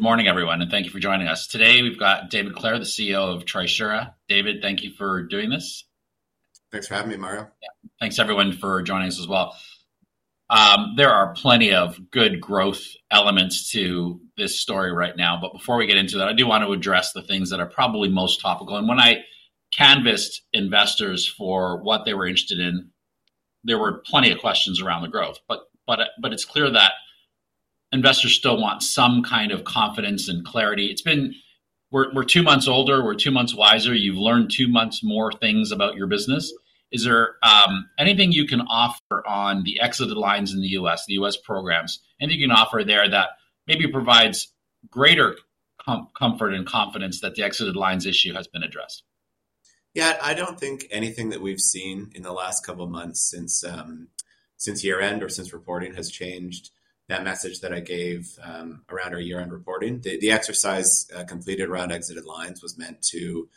Good morning, everyone, and thank you for joining us. Today we've got David Clare, the CEO of Trisura. David, thank you for doing this. Thanks for having me, Mario. Thanks, everyone, for joining us as well. There are plenty of good growth elements to this story right now. Before we get into that, I do want to address the things that are probably most topical. When I canvassed investors for what they were interested in, there were plenty of questions around the growth. It is clear that investors still want some kind of confidence and clarity. We are two months older, we are two months wiser, you have learned two months more things about your business. Is there anything you can offer on the exit lines in the U.S., the U.S. programs? Anything you can offer there that maybe provides greater comfort and confidence that the exit lines issue has been addressed? Yeah, I don't think anything that we've seen in the last couple of months since year-end or since reporting has changed that message that I gave around our year-end reporting. The exercise completed around exit lines was meant to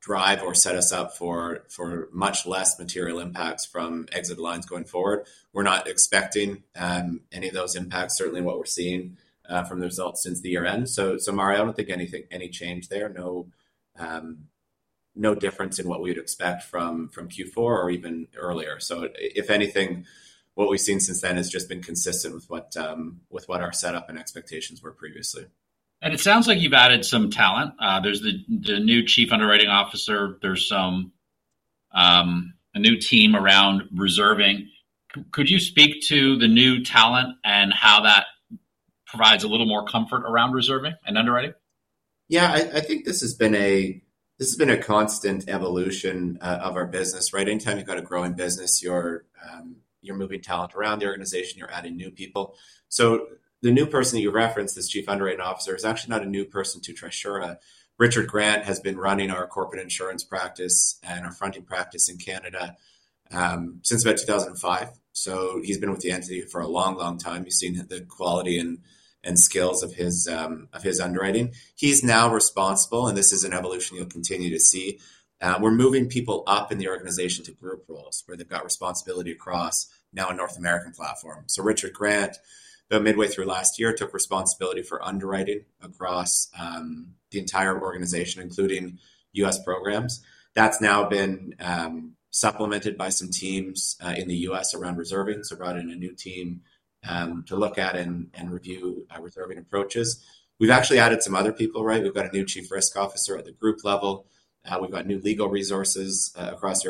drive or set us up for much less material impacts from exit lines going forward. We're not expecting any of those impacts, certainly what we're seeing from the results since the year-end. Mario, I don't think any change there, no difference in what we would expect from Q4 or even earlier. If anything, what we've seen since then has just been consistent with what our setup and expectations were previously. It sounds like you've added some talent. There's the new Chief Underwriting Officer, there's a new team around reserving. Could you speak to the new talent and how that provides a little more comfort around reserving and underwriting? Yeah, I think this has been a constant evolution of our business. Anytime you've got a growing business, you're moving talent around the organization, you're adding new people. The new person that you referenced, this Chief Underwriting Officer, is actually not a new person to Trisura. Richard Grant has been running our corporate insurance practice and our funding practice in Canada since about 2005. He's been with the entity for a long, long time. You've seen the quality and skills of his underwriting. He's now responsible, and this is an evolution you'll continue to see. We're moving people up in the organization to group roles where they've got responsibility across now a North American platform. Richard Grant, about midway through last year, took responsibility for underwriting across the entire organization, including U.S. programs. That's now been supplemented by some teams in the U.S. around reserving. Brought in a new team to look at and review reserving approaches. We've actually added some other people. We've got a new Chief Risk Officer at the group level. We've got new legal resources across the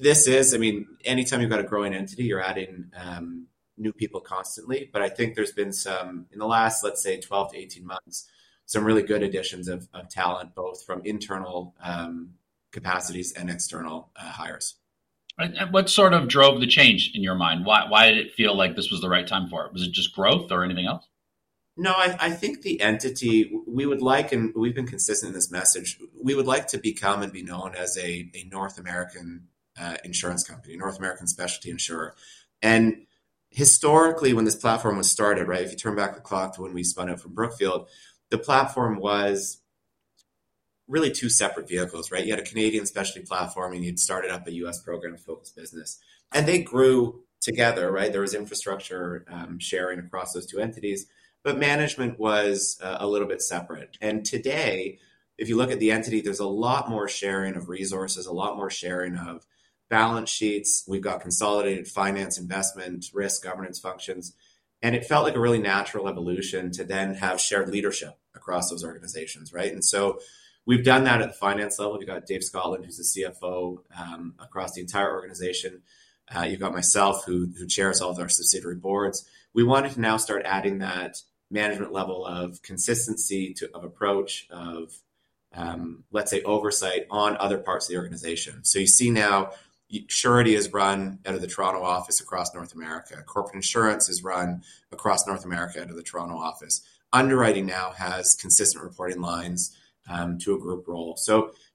organization. I mean, anytime you've got a growing entity, you're adding new people constantly. I think there's been some, in the last, let's say, 12 to 18 months, some really good additions of talent, both from internal capacities and external hires. What sort of drove the change in your mind? Why did it feel like this was the right time for it? Was it just growth or anything else? No, I think the entity, we would like, and we've been consistent in this message, we would like to become and be known as a North American insurance company, North American specialty insurer. Historically, when this platform was started, if you turn back the clock to when we spun out from Brookfield, the platform was really two separate vehicles. You had a Canadian specialty platform, and you'd started up a U.S. program-focused business. They grew together. There was infrastructure sharing across those two entities, but management was a little bit separate. Today, if you look at the entity, there's a lot more sharing of resources, a lot more sharing of balance sheets. We've got consolidated finance, investment, risk, governance functions. It felt like a really natural evolution to then have shared leadership across those organizations. We've done that at the finance level. You've got David Scotland, who's the CFO across the entire organization. You've got myself, who chairs all of our subsidiary boards. We wanted to now start adding that management level of consistency of approach, of, let's say, oversight on other parts of the organization. You see now, surety is run out of the Toronto office across North America. Corporate insurance is run across North America out of the Toronto office. Underwriting now has consistent reporting lines to a group role.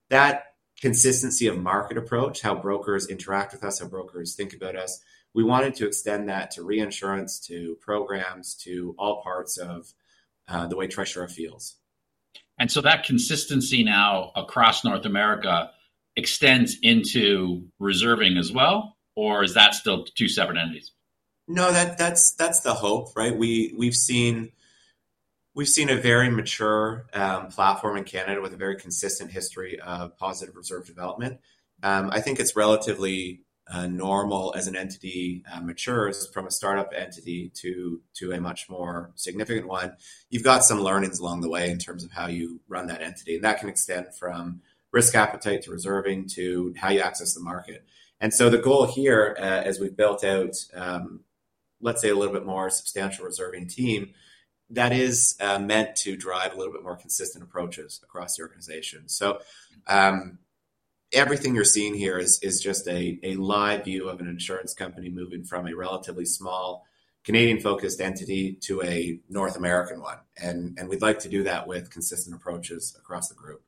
That consistency of market approach, how brokers interact with us, how brokers think about us, we wanted to extend that to reinsurance, to programs, to all parts of the way Trisura feels. That consistency now across North America extends into reserving as well, or is that still two separate entities? No, that's the hope. We've seen a very mature platform in Canada with a very consistent history of positive reserve development. I think it's relatively normal as an entity matures from a startup entity to a much more significant one. You've got some learnings along the way in terms of how you run that entity. That can extend from risk appetite to reserving to how you access the market. The goal here, as we've built out, let's say, a little bit more substantial reserving team, is to drive a little bit more consistent approaches across the organization. Everything you're seeing here is just a live view of an insurance company moving from a relatively small Canadian-focused entity to a North American one. We'd like to do that with consistent approaches across the group.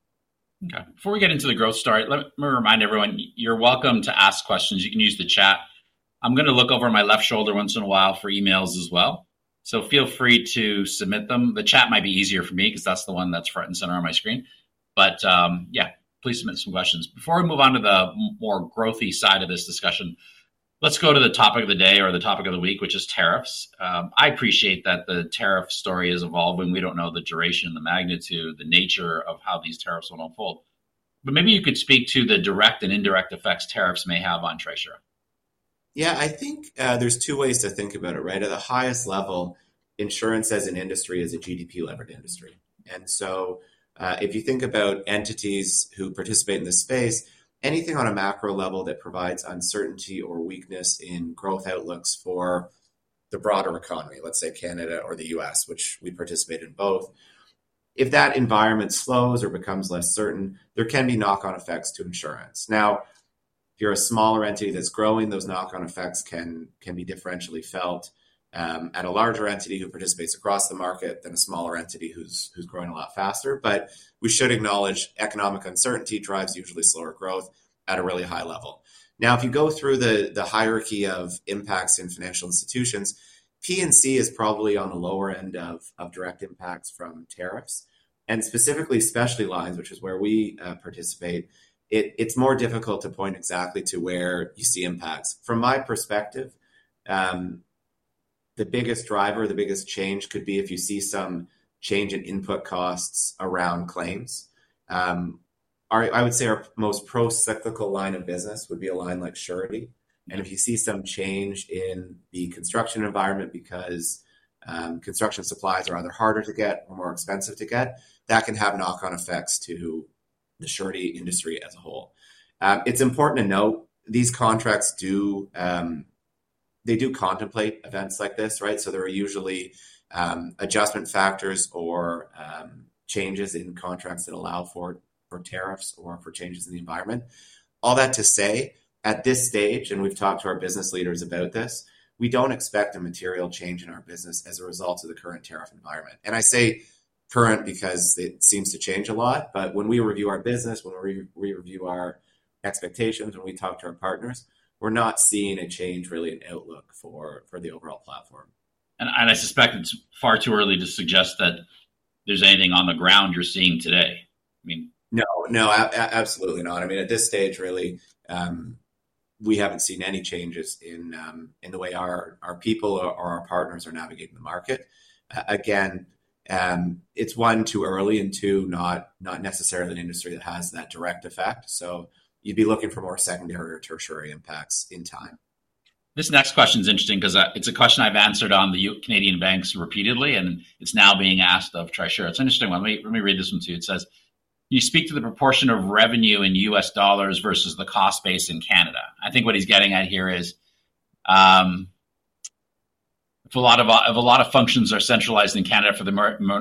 Okay. Before we get into the growth story, let me remind everyone, you're welcome to ask questions. You can use the chat. I'm going to look over my left shoulder once in a while for emails as well. Feel free to submit them. The chat might be easier for me because that's the one that's front and center on my screen. Please submit some questions. Before we move on to the more growthy side of this discussion, let's go to the topic of the day or the topic of the week, which is tariffs. I appreciate that the tariff story is evolving. We don't know the duration, the magnitude, the nature of how these tariffs will unfold. Maybe you could speak to the direct and indirect effects tariffs may have on Trisura. Yeah, I think there's two ways to think about it. At the highest level, insurance as an industry is a GDP-levered industry. If you think about entities who participate in this space, anything on a macro level that provides uncertainty or weakness in growth outlooks for the broader economy, let's say Canada or the U.S., which we participate in both, if that environment slows or becomes less certain, there can be knock-on effects to insurance. Now, if you're a smaller entity that's growing, those knock-on effects can be differentially felt at a larger entity who participates across the market than a smaller entity who's growing a lot faster. We should acknowledge economic uncertainty drives usually slower growth at a really high level. If you go through the hierarchy of impacts in financial institutions, P&C is probably on the lower end of direct impacts from tariffs. Specifically, specialty lines, which is where we participate, it's more difficult to point exactly to where you see impacts. From my perspective, the biggest driver, the biggest change could be if you see some change in input costs around claims. I would say our most pro-cyclical line of business would be a line like surety. If you see some change in the construction environment because construction supplies are either harder to get or more expensive to get, that can have knock-on effects to the surety industry as a whole. It's important to note these contracts do contemplate events like this. There are usually adjustment factors or changes in contracts that allow for tariffs or for changes in the environment. All that to say, at this stage, and we've talked to our business leaders about this, we do not expect a material change in our business as a result of the current tariff environment. I say current because it seems to change a lot. When we review our business, when we re-review our expectations, when we talk to our partners, we are not seeing a change really in outlook for the overall platform. I suspect it's far too early to suggest that there's anything on the ground you're seeing today. No, no, absolutely not. I mean, at this stage, really, we have not seen any changes in the way our people or our partners are navigating the market. Again, it is one, too early, and two, not necessarily an industry that has that direct effect. You would be looking for more secondary or tertiary impacts in time. This next question is interesting because it's a question I've answered on the Canadian banks repeatedly, and it's now being asked of Trisura. It's an interesting one. Let me read this one to you. It says, "You speak to the proportion of revenue in US dollars versus the cost base in Canada." I think what he's getting at here is if a lot of functions are centralized in Canada for the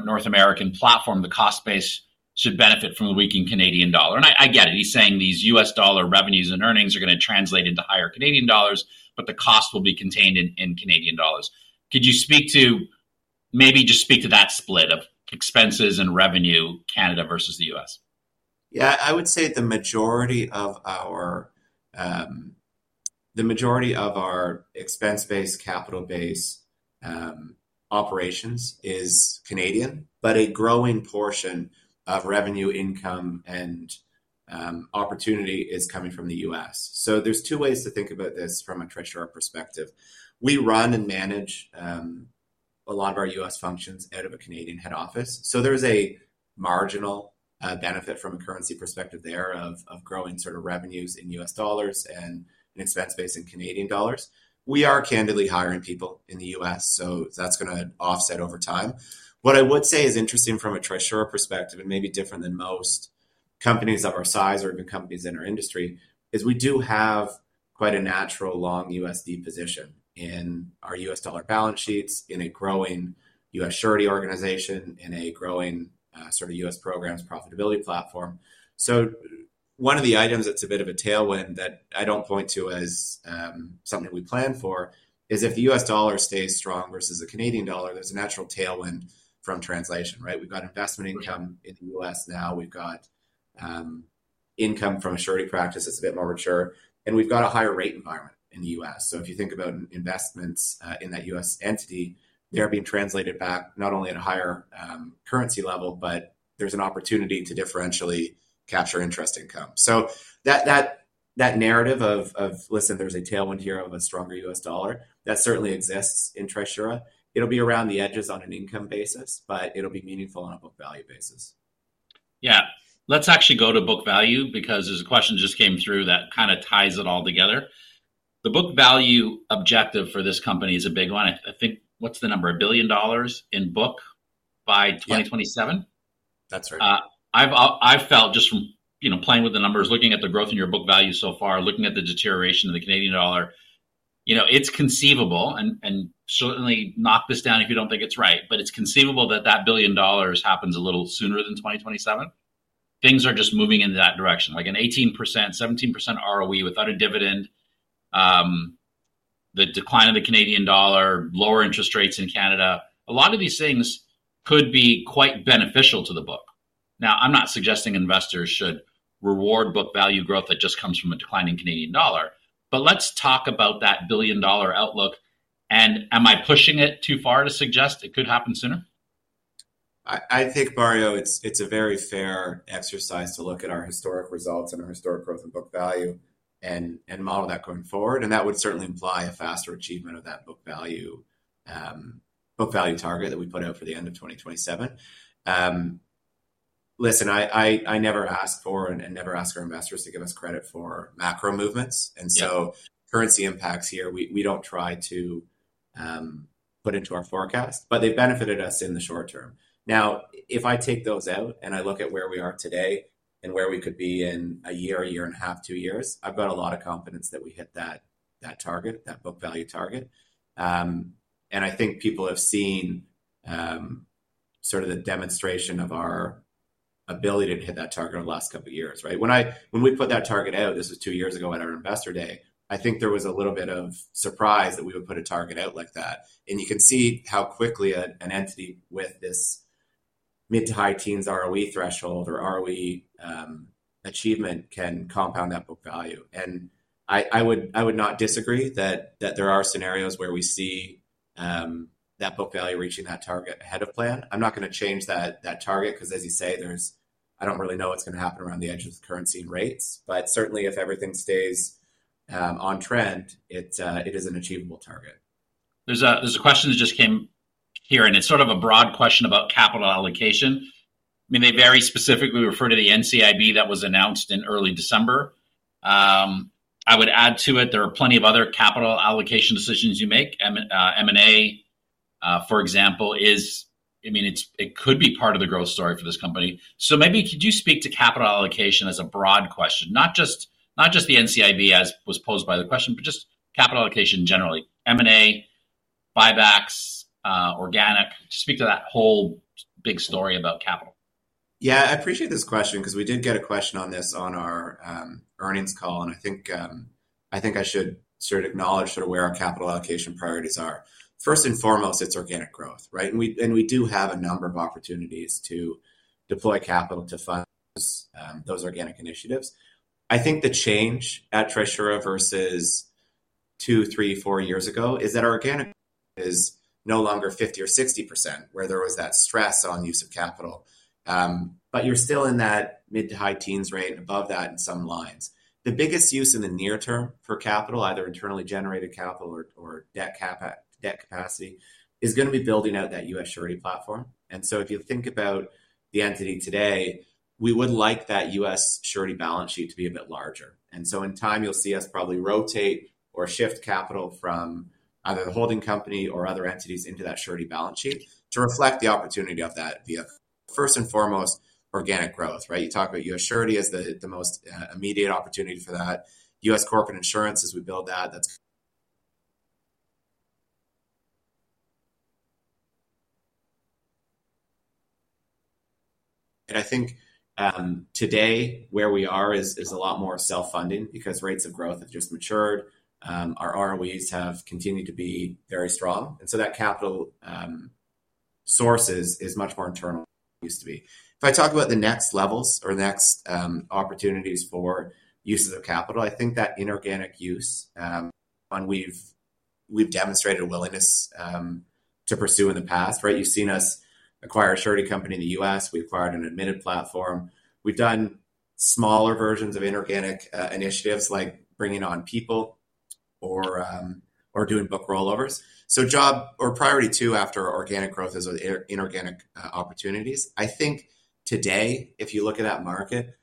North American platform, the cost base should benefit from the weakened Canadian dollar. I get it. He's saying these US dollar revenues and earnings are going to translate into higher Canadian dollars, but the cost will be contained in Canadian dollars. Could you speak to maybe just speak to that split of expenses and revenue, Canada versus the U.S.? Yeah, I would say the majority of our expense-based, capital-based operations is Canadian, but a growing portion of revenue, income, and opportunity is coming from the U.S. There are two ways to think about this from a Trisura perspective. We run and manage a lot of our U.S. functions out of a Canadian head office. There is a marginal benefit from a currency perspective there of growing revenues in US dollars and expense-based in Canadian dollars. We are candidly hiring people in the U.S., so that's going to offset over time. What I would say is interesting from a Trisura perspective, and maybe different than most companies of our size or even companies in our industry, is we do have quite a natural long USD position in our US dollar balance sheets, in a growing U.S. surety organization, in a growing U.S. programs profitability platform. One of the items that's a bit of a tailwind that I do not point to as something we plan for is if the US dollar stays strong versus the Canadian dollar, there's a natural tailwind from translation. We've got investment income in the U.S. now. We've got income from a surety practice that's a bit more mature, and we've got a higher rate environment in the U.S. If you think about investments in that U.S. entity, they're being translated back not only at a higher currency level, but there's an opportunity to differentially capture interest income. That narrative of, listen, there's a tailwind here of a stronger US dollar, that certainly exists in Trisura. It'll be around the edges on an income basis, but it'll be meaningful on a book value basis. Yeah. Let's actually go to book value because there's a question that just came through that kind of ties it all together. The book value objective for this company is a big one. I think, what's the number, $1 billion in book by 2027? That's right. I've felt just from playing with the numbers, looking at the growth in your book value so far, looking at the deterioration of the Canadian dollar, it's conceivable, and certainly knock this down if you don't think it's right, but it's conceivable that that $1 billion happens a little sooner than 2027. Things are just moving in that direction. Like an 18%, 17% ROE without a dividend, the decline of the Canadian dollar, lower interest rates in Canada, a lot of these things could be quite beneficial to the book. Now, I'm not suggesting investors should reward book value growth that just comes from a declining Canadian dollar, but let's talk about that $1 billion outlook. Am I pushing it too far to suggest it could happen sooner? I think, Mario, it's a very fair exercise to look at our historic results and our historic growth in book value and model that going forward. That would certainly imply a faster achievement of that book value target that we put out for the end of 2027. Listen, I never ask for and never ask our investors to give us credit for macro movements. Currency impacts here, we do not try to put into our forecast, but they have benefited us in the short term. Now, if I take those out and I look at where we are today and where we could be in a year, a year and a half, two years, I have a lot of confidence that we hit that target, that book value target. I think people have seen sort of the demonstration of our ability to hit that target over the last couple of years. When we put that target out, this was two years ago at our investor day, I think there was a little bit of surprise that we would put a target out like that. You can see how quickly an entity with this mid to high teens ROE threshold or ROE achievement can compound that book value. I would not disagree that there are scenarios where we see that book value reaching that target ahead of plan. I'm not going to change that target because, as you say, I don't really know what's going to happen around the edge of currency and rates. Certainly, if everything stays on trend, it is an achievable target. There's a question that just came here, and it's sort of a broad question about capital allocation. I mean, they very specifically refer to the NCIB that was announced in early December. I would add to it, there are plenty of other capital allocation decisions you make. M&A, for example, is, I mean, it could be part of the growth story for this company. Maybe could you speak to capital allocation as a broad question, not just the NCIB as was posed by the question, but just capital allocation generally, M&A, buybacks, organic, just speak to that whole big story about capital. Yeah, I appreciate this question because we did get a question on this on our earnings call. I think I should sort of acknowledge sort of where our capital allocation priorities are. First and foremost, it's organic growth. We do have a number of opportunities to deploy capital to fund those organic initiatives. I think the change at Trisura versus two, three, four years ago is that our organic is no longer 50% or 60% where there was that stress on use of capital. You're still in that mid to high teens range, above that in some lines. The biggest use in the near term for capital, either internally generated capital or debt capacity, is going to be building out that U.S. surety platform. If you think about the entity today, we would like that U.S. surety balance sheet to be a bit larger. In time, you'll see us probably rotate or shift capital from either the holding company or other entities into that surety balance sheet to reflect the opportunity of that via first and foremost organic growth. You talk about U.S. surety as the most immediate opportunity for that. U.S. corporate insurance, as we build that, that's. I think today where we are is a lot more self-funding because rates of growth have just matured. Our ROEs have continued to be very strong. That capital source is much more internal than it used to be. If I talk about the next levels or next opportunities for uses of capital, I think that inorganic use is one we've demonstrated a willingness to pursue in the past. You've seen us acquire a surety company in the U.S. We acquired an admitted platform. We've done smaller versions of inorganic initiatives like bringing on people or doing book rollovers. Job or priority two after organic growth is with inorganic opportunities. I think today, if you look at that market,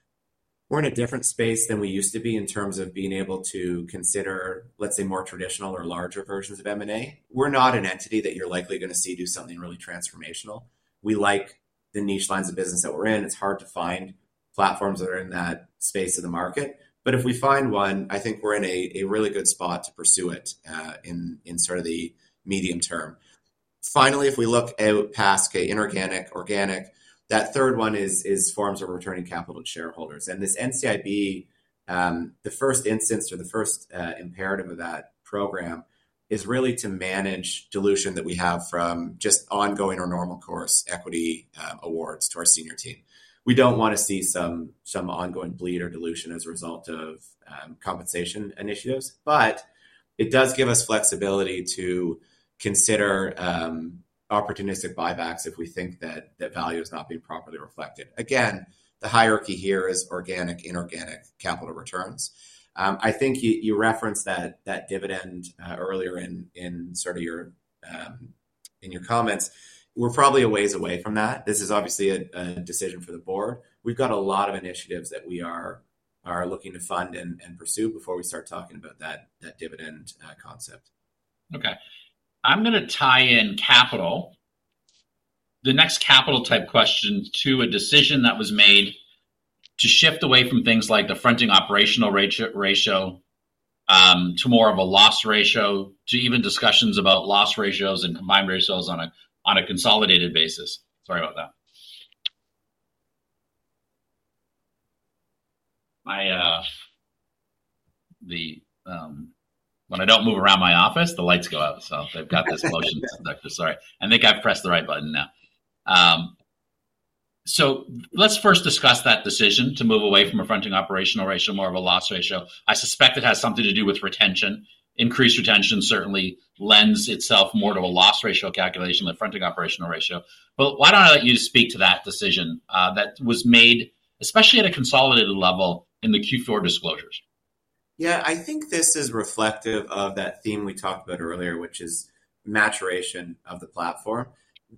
we're in a different space than we used to be in terms of being able to consider, let's say, more traditional or larger versions of M&A. We're not an entity that you're likely going to see do something really transformational. We like the niche lines of business that we're in. It's hard to find platforms that are in that space of the market. If we find one, I think we're in a really good spot to pursue it in sort of the medium term. Finally, if we look past inorganic, organic, that third one is forms of returning capital to shareholders. This NCIB, the first instance or the first imperative of that program is really to manage dilution that we have from just ongoing or normal course equity awards to our senior team. We do not want to see some ongoing bleed or dilution as a result of compensation initiatives, but it does give us flexibility to consider opportunistic buybacks if we think that value is not being properly reflected. Again, the hierarchy here is organic, inorganic capital returns. I think you referenced that dividend earlier in sort of your comments. We are probably a ways away from that. This is obviously a decision for the board. We have a lot of initiatives that we are looking to fund and pursue before we start talking about that dividend concept. Okay. I'm going to tie in capital, the next capital type question to a decision that was made to shift away from things like the fronting operational ratio to more of a loss ratio to even discussions about loss ratios and combined ratios on a consolidated basis. Sorry about that. When I don't move around my office, the lights go out. They've got this motion suspected. Sorry. I think I've pressed the right button now. Let's first discuss that decision to move away from a fronting operational ratio, more of a loss ratio. I suspect it has something to do with retention. Increased retention certainly lends itself more to a loss ratio calculation than fronting operational ratio. Why don't I let you speak to that decision that was made, especially at a consolidated level in the Q4 disclosures? Yeah, I think this is reflective of that theme we talked about earlier, which is maturation of the platform.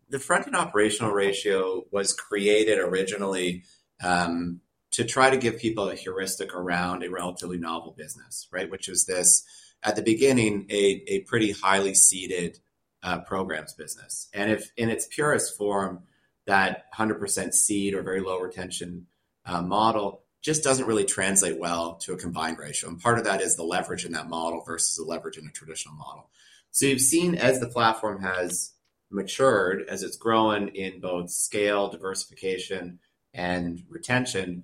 The fronting operational ratio was created originally to try to give people a heuristic around a relatively novel business, which is this, at the beginning, a pretty highly seeded programs business. In its purest form, that 100% seed or very low retention model just doesn't really translate well to a combined ratio. Part of that is the leverage in that model versus the leverage in a traditional model. You have seen as the platform has matured, as it's grown in both scale, diversification, and retention,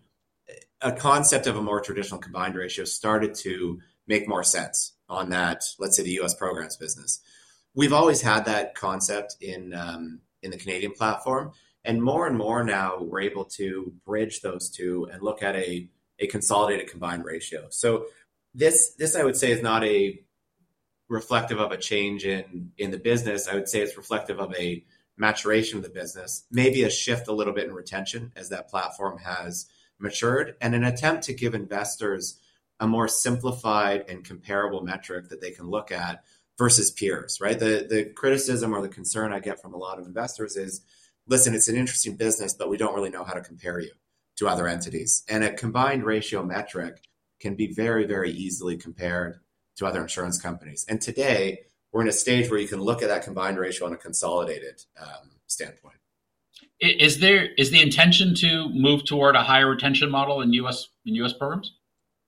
a concept of a more traditional combined ratio started to make more sense on that, let's say, the U.S. programs business. We've always had that concept in the Canadian platform. More and more now, we're able to bridge those two and look at a consolidated combined ratio. This, I would say, is not reflective of a change in the business. I would say it's reflective of a maturation of the business, maybe a shift a little bit in retention as that platform has matured, and an attempt to give investors a more simplified and comparable metric that they can look at versus peers. The criticism or the concern I get from a lot of investors is, listen, it's an interesting business, but we don't really know how to compare you to other entities. A combined ratio metric can be very, very easily compared to other insurance companies. Today, we're in a stage where you can look at that combined ratio on a consolidated standpoint. Is the intention to move toward a higher retention model in U.S. programs?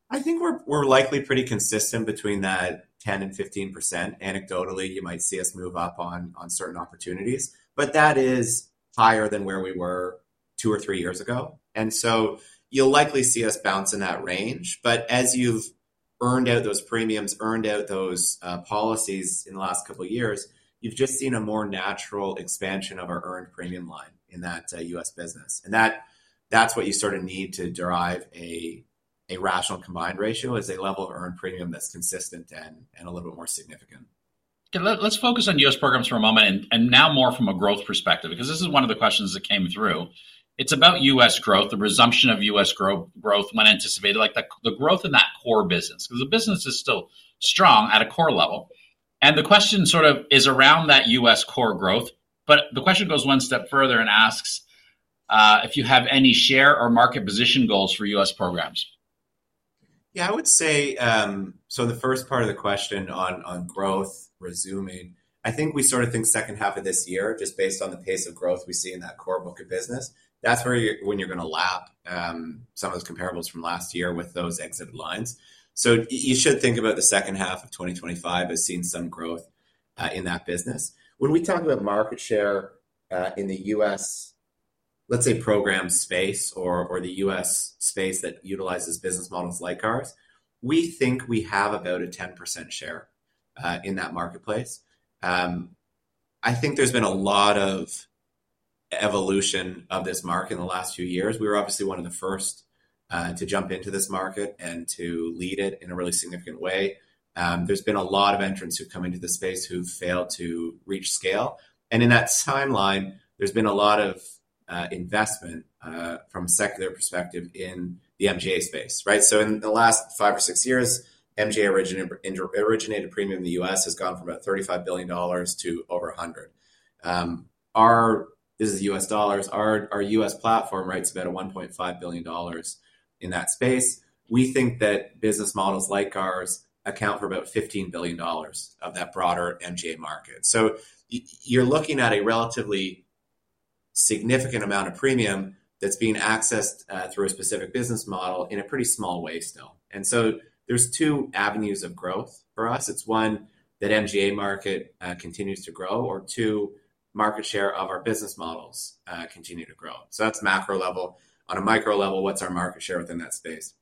I think we're likely pretty consistent between that 10%-15%. Anecdotally, you might see us move up on certain opportunities, but that is higher than where we were two or three years ago. You'll likely see us bounce in that range. As you've earned out those premiums, earned out those policies in the last couple of years, you've just seen a more natural expansion of our earned premium line in that U.S. business. That's what you sort of need to derive a rational combined ratio: a level of earned premium that's consistent and a little bit more significant. Let's focus on U.S. programs for a moment and now more from a growth perspective because this is one of the questions that came through. It's about U.S. growth, the resumption of U.S. growth when anticipated, like the growth in that core business because the business is still strong at a core level. The question sort of is around that U.S. core growth, but the question goes one step further and asks if you have any share or market position goals for U.S. programs. Yeah, I would say, for the first part of the question on growth resuming, I think we sort of think second half of this year, just based on the pace of growth we see in that core book of business, that's when you're going to lap some of those comparables from last year with those exit lines. You should think about the second half of 2025 as seeing some growth in that business. When we talk about market share in the U.S., let's say program space or the U.S. space that utilizes business models like ours, we think we have about a 10% share in that marketplace. I think there's been a lot of evolution of this market in the last few years. We were obviously one of the first to jump into this market and to lead it in a really significant way. There's been a lot of entrants who've come into the space who've failed to reach scale. In that timeline, there's been a lot of investment from a secular perspective in the MGA space. In the last five or six years, MGA originated premium in the U.S. has gone from about $35 billion to over $100 billion. This is US dollars. Our U.S. platform writes about $1.5 billion in that space. We think that business models like ours account for about $15 billion of that broader MGA market. You're looking at a relatively significant amount of premium that's being accessed through a specific business model in a pretty small way still. There are two avenues of growth for us. One, that MGA market continues to grow, or two, market share of our business models continues to grow. That's macro level. On a micro level, what's our market share within that space?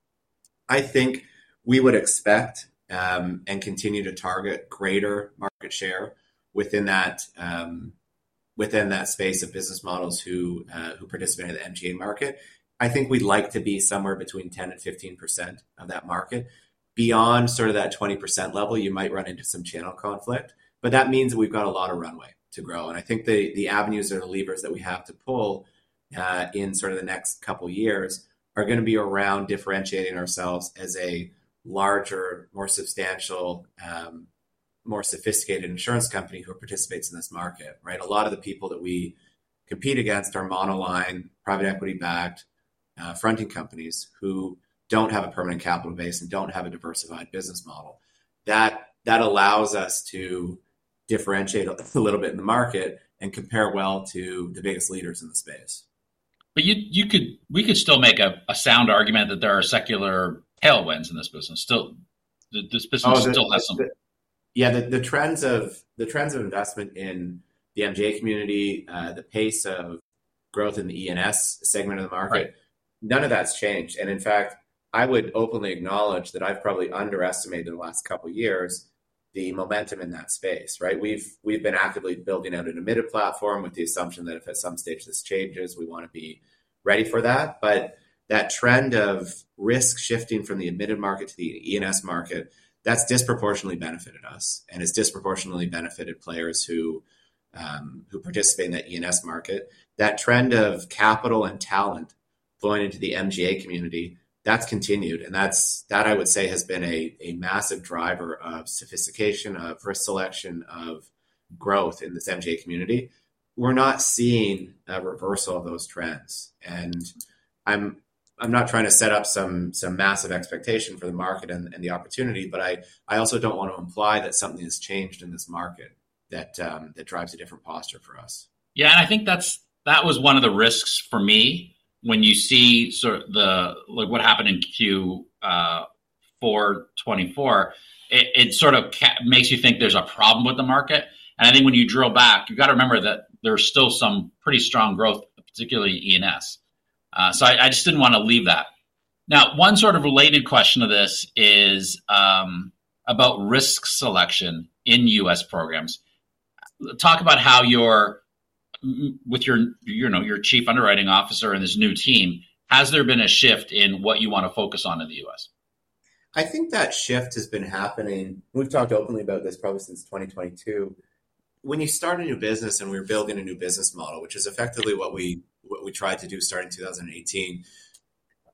I think we would expect and continue to target greater market share within that space of business models who participate in the MGA market. I think we'd like to be somewhere between 10%-15% of that market. Beyond sort of that 20% level, you might run into some channel conflict, but that means we've got a lot of runway to grow. I think the avenues or the levers that we have to pull in sort of the next couple of years are going to be around differentiating ourselves as a larger, more substantial, more sophisticated insurance company who participates in this market. A lot of the people that we compete against are monoline, private equity-backed fronting companies who don't have a permanent capital base and don't have a diversified business model. That allows us to differentiate a little bit in the market and compare well to the biggest leaders in the space. We could still make a sound argument that there are secular tailwinds in this business. This business still has some. Yeah, the trends of investment in the MGA community, the pace of growth in the E&S segment of the market, none of that's changed. In fact, I would openly acknowledge that I've probably underestimated in the last couple of years the momentum in that space. We've been actively building out an admitted platform with the assumption that if at some stage this changes, we want to be ready for that. That trend of risk shifting from the admitted market to the E&S market, that's disproportionately benefited us and has disproportionately benefited players who participate in that E&S market. That trend of capital and talent going into the MGA community, that's continued. That, I would say, has been a massive driver of sophistication, of risk selection, of growth in this MGA community. We're not seeing a reversal of those trends. I'm not trying to set up some massive expectation for the market and the opportunity, but I also don't want to imply that something has changed in this market that drives a different posture for us. Yeah, and I think that was one of the risks for me when you see what happened in Q4 2024. It sort of makes you think there's a problem with the market. I think when you drill back, you've got to remember that there's still some pretty strong growth, particularly E&S. I just didn't want to leave that. Now, one sort of related question to this is about risk selection in U.S. programs. Talk about how with your Chief Underwriting Officer and this new team, has there been a shift in what you want to focus on in the U.S.? I think that shift has been happening. We've talked openly about this probably since 2022. When you start a new business and we're building a new business model, which is effectively what we tried to do starting in 2018,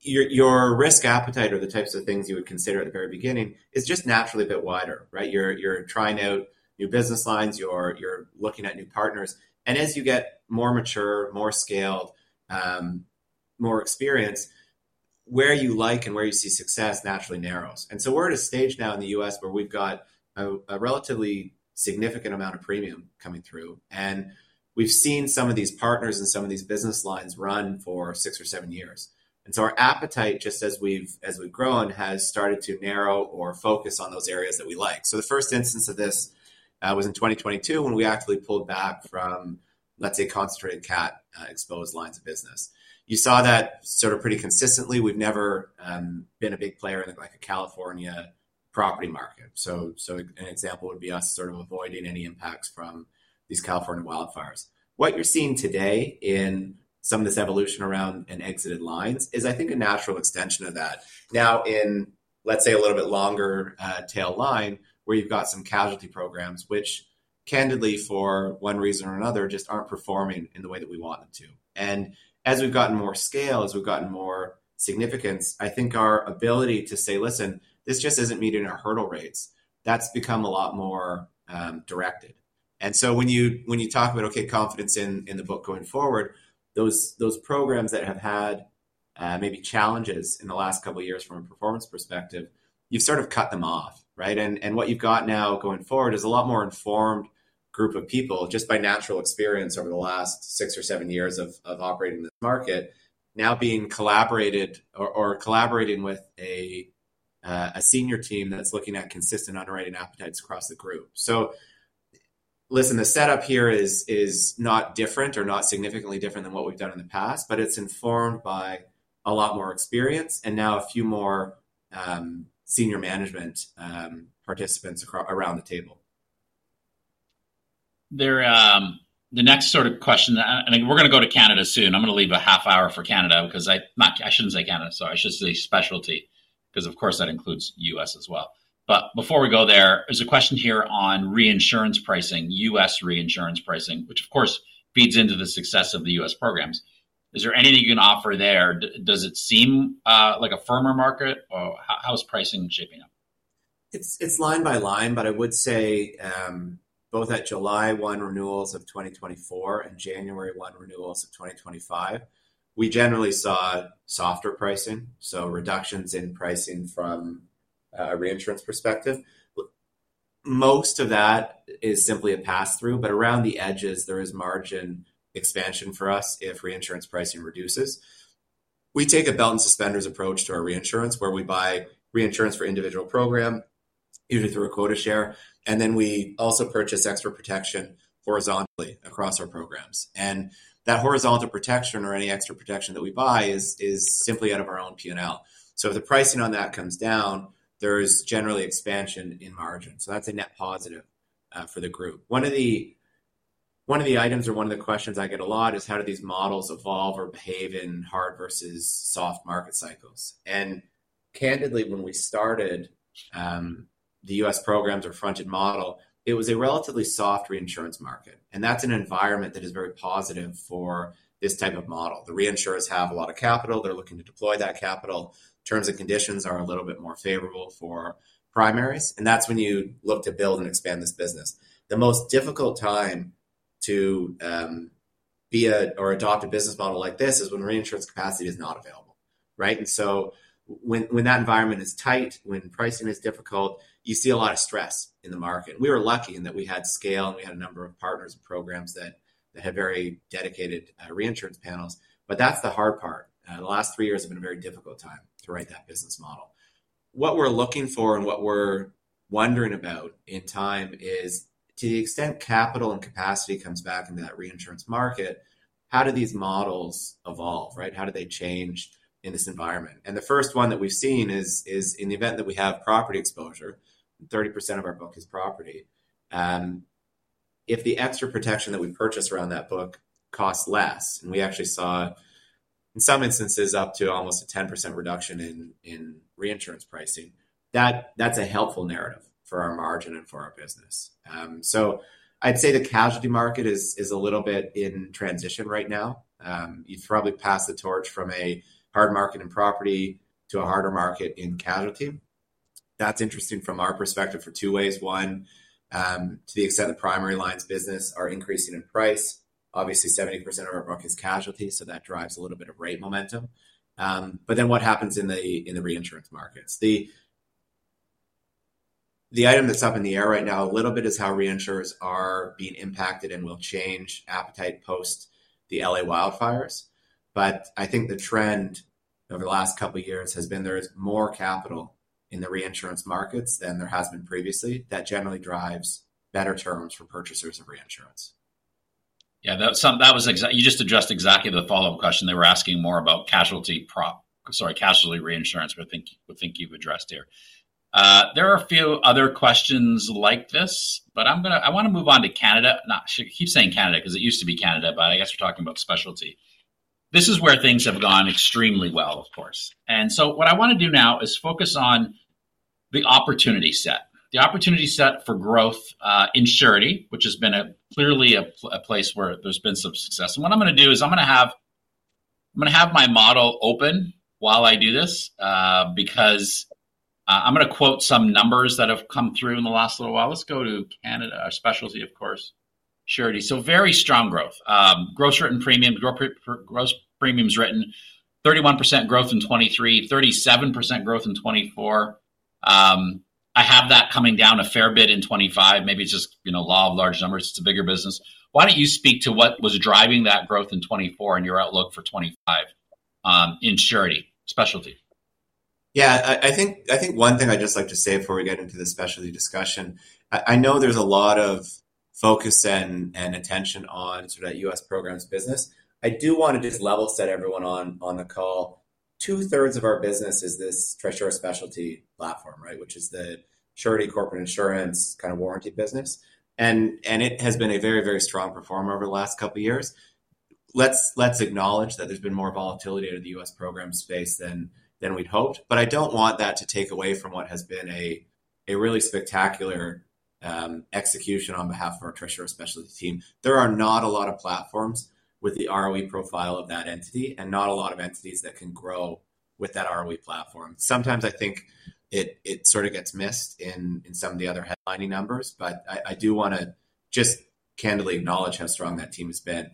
your risk appetite or the types of things you would consider at the very beginning is just naturally a bit wider. You're trying out new business lines. You're looking at new partners. As you get more mature, more scaled, more experienced, where you like and where you see success naturally narrows. We are at a stage now in the U.S. where we've got a relatively significant amount of premium coming through. We've seen some of these partners and some of these business lines run for six or seven years. Our appetite, just as we've grown, has started to narrow or focus on those areas that we like. The first instance of this was in 2022 when we actively pulled back from, let's say, concentrated cat exposed lines of business. You saw that sort of pretty consistently. We've never been a big player in the California property market. An example would be us sort of avoiding any impacts from these California wildfires. What you're seeing today in some of this evolution around and exited lines is, I think, a natural extension of that. Now, in, let's say, a little bit longer tail line where you've got some casualty programs, which candidly, for one reason or another, just aren't performing in the way that we want them to. As we've gotten more scale, as we've gotten more significance, I think our ability to say, listen, this just isn't meeting our hurdle rates, that's become a lot more directed. When you talk about, okay, confidence in the book going forward, those programs that have had maybe challenges in the last couple of years from a performance perspective, you've sort of cut them off. What you've got now going forward is a lot more informed group of people just by natural experience over the last six or seven years of operating in this market now being collaborated or collaborating with a senior team that's looking at consistent underwriting appetites across the group. Listen, the setup here is not different or not significantly different than what we've done in the past, but it's informed by a lot more experience and now a few more senior management participants around the table. The next sort of question, and we're going to go to Canada soon. I'm going to leave a half hour for Canada because I shouldn't say Canada, sorry. I should say specialty because, of course, that includes U.S. as well. Before we go there, there's a question here on reinsurance pricing, U.S. reinsurance pricing, which, of course, feeds into the success of the U.S. programs. Is there anything you can offer there? Does it seem like a firmer market? How is pricing shaping up? It's line by line, but I would say both at July 1 renewals of 2024 and January 1 renewals of 2025, we generally saw softer pricing, so reductions in pricing from a reinsurance perspective. Most of that is simply a pass-through, but around the edges, there is margin expansion for us if reinsurance pricing reduces. We take a belt and suspenders approach to our reinsurance where we buy reinsurance for individual program usually through a quota share, and then we also purchase extra protection horizontally across our programs. That horizontal protection or any extra protection that we buy is simply out of our own P&L. If the pricing on that comes down, there is generally expansion in margin. That is a net positive for the group. One of the items or one of the questions I get a lot is how do these models evolve or behave in hard versus soft market cycles. Candidly, when we started the U.S. programs or fronted model, it was a relatively soft reinsurance market. That is an environment that is very positive for this type of model. The reinsurers have a lot of capital. They are looking to deploy that capital. Terms and conditions are a little bit more favorable for primaries. That is when you look to build and expand this business. The most difficult time to be or adopt a business model like this is when reinsurance capacity is not available. When that environment is tight, when pricing is difficult, you see a lot of stress in the market. We were lucky in that we had scale and we had a number of partners and programs that had very dedicated reinsurance panels. That is the hard part. The last three years have been a very difficult time to write that business model. What we are looking for and what we are wondering about in time is to the extent capital and capacity comes back into that reinsurance market, how do these models evolve? How do they change in this environment? The first one that we have seen is in the event that we have property exposure, 30% of our book is property. If the extra protection that we purchase around that book costs less, and we actually saw in some instances up to almost a 10% reduction in reinsurance pricing, that is a helpful narrative for our margin and for our business. I’d say the casualty market is a little bit in transition right now. You’ve probably passed the torch from a hard market in property to a harder market in casualty. That’s interesting from our perspective for two ways. One, to the extent the primary lines business are increasing in price, obviously 70% of our book is casualty, so that drives a little bit of rate momentum. Then what happens in the reinsurance markets? The item that’s up in the air right now a little bit is how reinsurers are being impacted and will change appetite post the LA wildfires. I think the trend over the last couple of years has been there is more capital in the reinsurance markets than there has been previously. That generally drives better terms for purchasers of reinsurance. Yeah, that was exactly, you just addressed exactly the follow-up question. They were asking more about casualty reinsurance, which I think you've addressed here. There are a few other questions like this, but I want to move on to Canada. I keep saying Canada because it used to be Canada, but I guess we're talking about specialty. This is where things have gone extremely well, of course. What I want to do now is focus on the opportunity set. The opportunity set for growth, in surety, which has been clearly a place where there's been some success. What I'm going to do is I'm going to have my model open while I do this because I'm going to quote some numbers that have come through in the last little while. Let's go to Canada, or specialty, of course, in surety. Very strong growth. Gross written premiums, gross premiums written, 31% growth in 2023, 37% growth in 2024. I have that coming down a fair bit in 2025. Maybe it's just law of large numbers. It's a bigger business. Why don't you speak to what was driving that growth in 2024 and your outlook for 2025? In surety, specialty. Yeah, I think one thing I'd just like to say before we get into the specialty discussion, I know there's a lot of focus and attention on that U.S. programs business. I do want to just level set everyone on the call. Two-thirds of our business is this Trisura Specialty platform, which is the surety, corporate insurance kind of warranty business. And it has been a very, very strong performer over the last couple of years. Let's acknowledge that there's been more volatility out of the U.S. programs space than we'd hoped. I do not want that to take away from what has been a really spectacular execution on behalf of our Trisura Specialty team. There are not a lot of platforms with the ROE profile of that entity and not a lot of entities that can grow with that ROE platform. Sometimes I think it sort of gets missed in some of the other headlining numbers, but I do want to just candidly acknowledge how strong that team has been.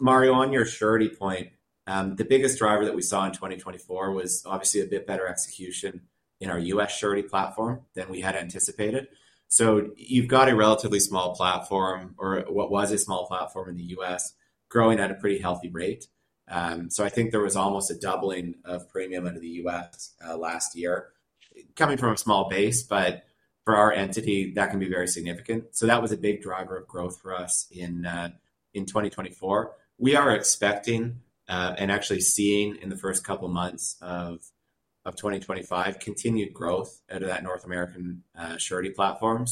Mario, on your surety point, the biggest driver that we saw in 2024 was obviously a bit better execution in our U.S. surety platform than we had anticipated. You have got a relatively small platform or what was a small platform in the U.S. growing at a pretty healthy rate. I think there was almost a doubling of premium out of the U.S. last year coming from a small base, but for our entity, that can be very significant. That was a big driver of growth for us in 2024. We are expecting and actually seeing in the first couple of months of 2025 continued growth out of that North American surety platform.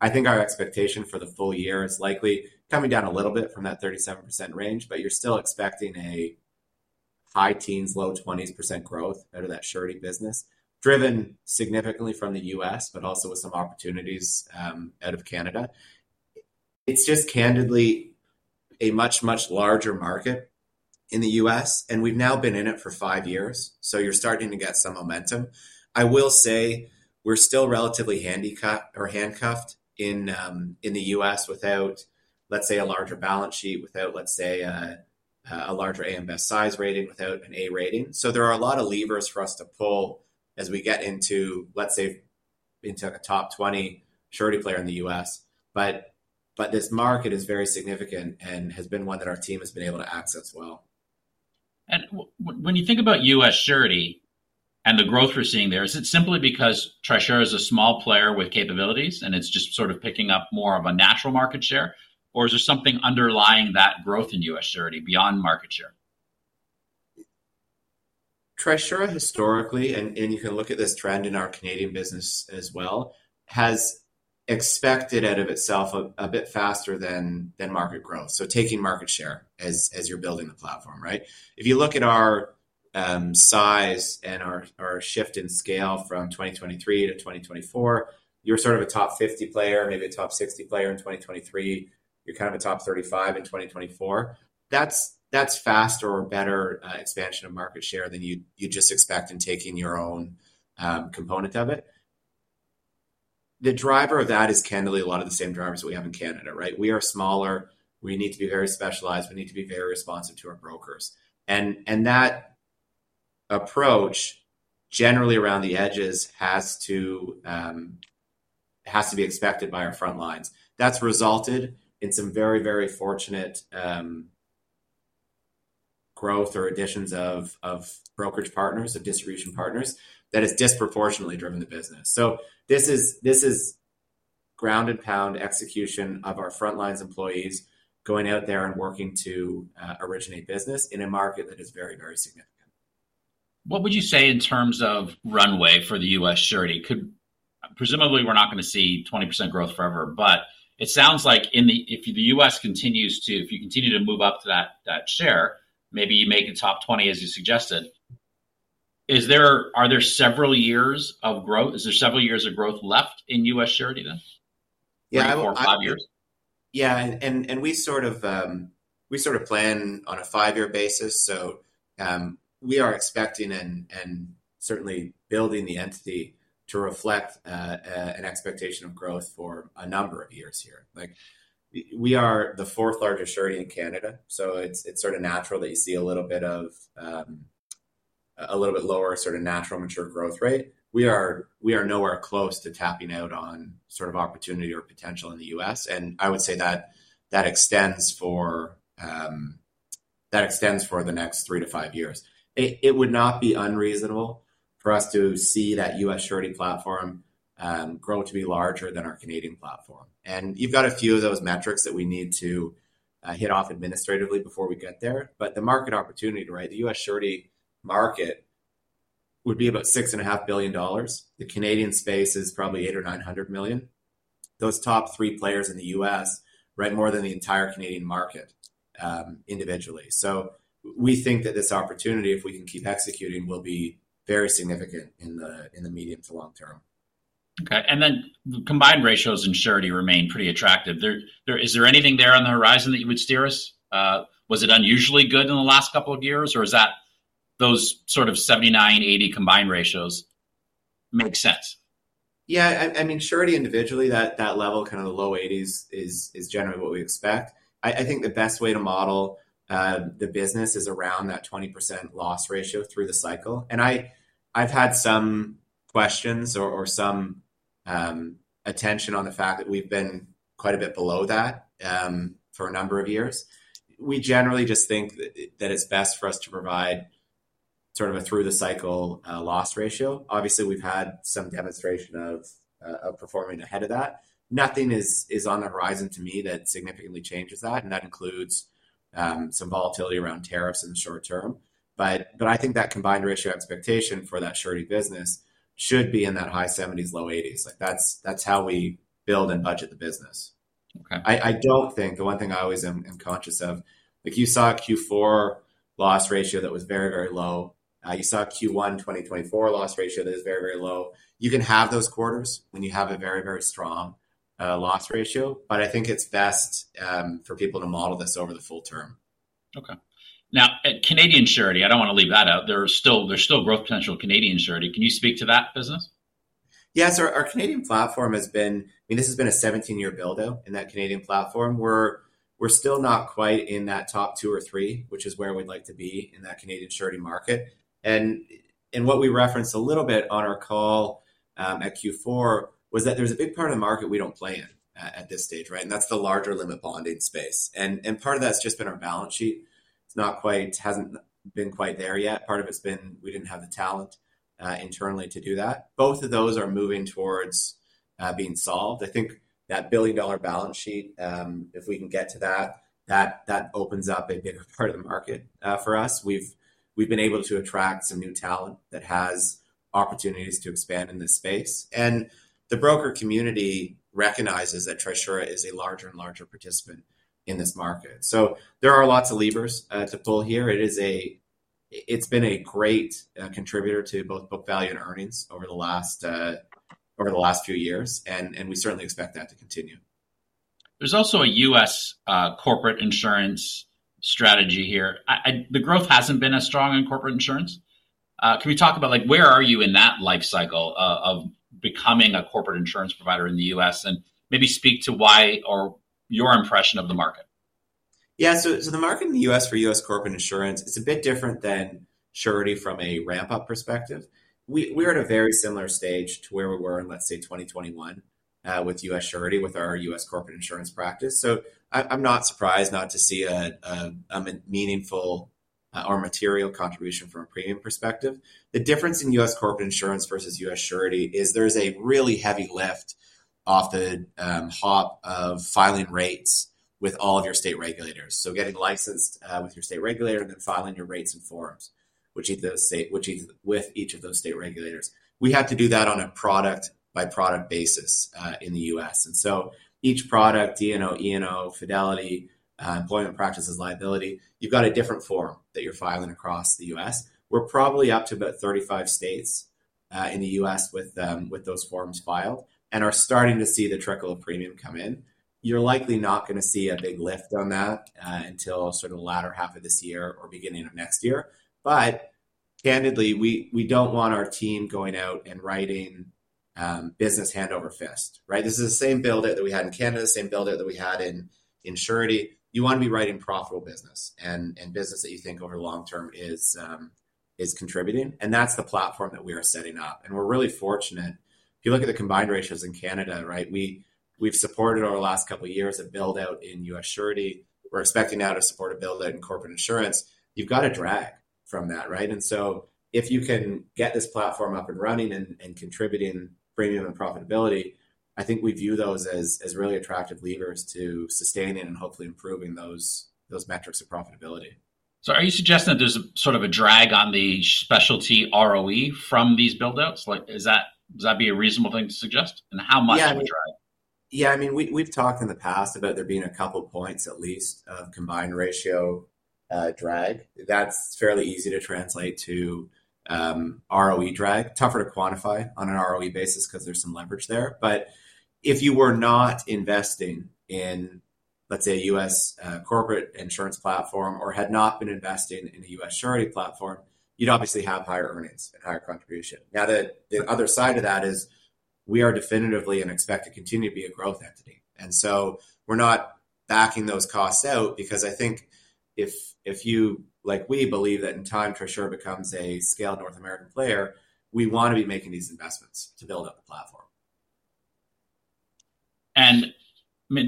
I think our expectation for the full year is likely coming down a little bit from that 37% range, but you're still expecting a high teens, low 20s % growth out of that surety business driven significantly from the U.S., but also with some opportunities out of Canada. It's just candidly a much, much larger market in the U.S., and we've now been in it for five years, so you're starting to get some momentum. I will say we're still relatively handicapped or handcuffed in the U.S. without, let's say, a larger balance sheet, without, let's say, a larger AM Best size rating, without an A rating. There are a lot of levers for us to pull as we get into, let's say, into a top 20 surety player in the U.S. This market is very significant and has been one that our team has been able to access well. When you think about U.S. surety and the growth we're seeing there, is it simply because Trisura is a small player with capabilities and it's just sort of picking up more of a natural market share, or is there something underlying that growth in U.S. surety beyond market share? Trisura historically, and you can look at this trend in our Canadian business as well, has expected out of itself a bit faster than market growth. Taking market share as you're building the platform. If you look at our size and our shift in scale from 2023 to 2024, you're sort of a top 50 player, maybe a top 60 player in 2023. You're kind of a top 35 in 2024. That's faster or better expansion of market share than you just expect in taking your own component of it. The driver of that is candidly a lot of the same drivers that we have in Canada. We are smaller. We need to be very specialized. We need to be very responsive to our brokers. That approach generally around the edges has to be expected by our front lines. That has resulted in some very, very fortunate growth or additions of brokerage partners, of distribution partners that has disproportionately driven the business. This is ground and pound execution of our front lines employees going out there and working to originate business in a market that is very, very significant. What would you say in terms of runway for the U.S. surety? Presumably, we're not going to see 20% growth forever, but it sounds like if the U.S. continues to, if you continue to move up to that share, maybe you make a top 20 as you suggested, are there several years of growth? Is there several years of growth left in U.S. surety then? Yeah, I would say. Four or five years? Yeah. We sort of plan on a five-year basis. We are expecting and certainly building the entity to reflect an expectation of growth for a number of years here. We are the fourth largest surety in Canada, so it is sort of natural that you see a little bit lower sort of natural mature growth rate. We are nowhere close to tapping out on sort of opportunity or potential in the U.S.. I would say that extends for the next three to five years. It would not be unreasonable for us to see that U.S. surety platform grow to be larger than our Canadian platform. You have a few of those metrics that we need to hit off administratively before we get there. The market opportunity, right? The U.S. surety market would be about $6.5 billion. The Canadian space is probably 800 million or 900 million. Those top three players in the U.S. write more than the entire Canadian market individually. We think that this opportunity, if we can keep executing, will be very significant in the medium to long term. Okay. The combined ratios in surety remain pretty attractive. Is there anything there on the horizon that you would steer us? Was it unusually good in the last couple of years, or do those sort of 79, 80 combined ratios make sense? Yeah, I mean, in surety individually, that level, kind of the low 80s, is generally what we expect. I think the best way to model the business is around that 20% loss ratio through the cycle. I've had some questions or some attention on the fact that we've been quite a bit below that for a number of years. We generally just think that it's best for us to provide sort of a through-the-cycle loss ratio. Obviously, we've had some demonstration of performing ahead of that. Nothing is on the horizon to me that significantly changes that. That includes some volatility around tariffs in the short term. I think that combined ratio expectation for that in surety business should be in that high 70s, low 80s. That's how we build and budget the business. I don't think the one thing I always am conscious of, like you saw a Q4 loss ratio that was very, very low. You saw a Q1 2024 loss ratio that is very, very low. You can have those quarters when you have a very, very strong loss ratio, but I think it's best for people to model this over the full term. Okay. Now, Canadian surety, I don't want to leave that out. There's still growth potential in Canadian surety. Can you speak to that business? Yes. Our Canadian platform has been, I mean, this has been a 17-year build-out in that Canadian platform. We're still not quite in that top two or three, which is where we'd like to be in that Canadian surety market. What we referenced a little bit on our call at Q4 was that there's a big part of the market we don't play in at this stage, and that's the larger limit bonding space. Part of that's just been our balance sheet. It hasn't been quite there yet. Part of it's been we didn't have the talent internally to do that. Both of those are moving towards being solved. I think that billion-dollar balance sheet, if we can get to that, that opens up a bigger part of the market for us. We've been able to attract some new talent that has opportunities to expand in this space. The broker community recognizes that Trisura is a larger and larger participant in this market. There are lots of levers to pull here. It's been a great contributor to both book value and earnings over the last few years, and we certainly expect that to continue. There's also a U.S. corporate insurance strategy here. The growth hasn't been as strong in corporate insurance. Can we talk about where are you in that life cycle of becoming a corporate insurance provider in the U.S. and maybe speak to why or your impression of the market? Yeah. The market in the U.S. for U.S. corporate insurance, it's a bit different than surety from a ramp-up perspective. We're at a very similar stage to where we were in, let's say, 2021 with U.S. surety with our U.S. corporate insurance practice. I'm not surprised not to see a meaningful or material contribution from a premium perspective. The difference in U.S. corporate insurance versus U.S. surety is there's a really heavy lift off the hop of filing rates with all of your state regulators. Getting licensed with your state regulator and then filing your rates and forms, which is with each of those state regulators. We have to do that on a product-by-product basis in the U.S. Each product, D&O, E&O, fidelity, employment practices, liability, you've got a different form that you're filing across the U.S. We're probably up to about 35 states in the U.S. with those forms filed and are starting to see the trickle of premium come in. You're likely not going to see a big lift on that until sort of the latter half of this year or beginning of next year. Candidly, we don't want our team going out and writing business hand over fist. This is the same build-out that we had in Canada, the same build-out that we had in surety. You want to be writing profitable business and business that you think over the long term is contributing. That's the platform that we are setting up. We're really fortunate. If you look at the combined ratios in Canada, we've supported over the last couple of years a build-out in U.S. surety. We're expecting now to support a build-out in corporate insurance. have got to drag from that. If you can get this platform up and running and contributing premium and profitability, I think we view those as really attractive levers to sustaining and hopefully improving those metrics of profitability. Are you suggesting that there's sort of a drag on the specialty ROE from these build-outs? Does that be a reasonable thing to suggest? How much of a drag? Yeah. I mean, we've talked in the past about there being a couple of points at least of combined ratio drag. That's fairly easy to translate to ROE drag. Tougher to quantify on an ROE basis because there's some leverage there. If you were not investing in, let's say, a U.S. corporate insurance platform or had not been investing in a U.S. surety platform, you'd obviously have higher earnings and higher contribution. Now, the other side of that is we are definitively and expect to continue to be a growth entity. We're not backing those costs out because I think if you, like we, believe that in time Trisura becomes a scaled North American player, we want to be making these investments to build up the platform.